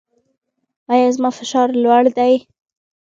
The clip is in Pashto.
ایا زما فشار لوړ دی؟